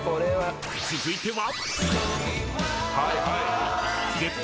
［続いては］